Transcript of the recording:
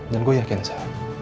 dan gue yakin sa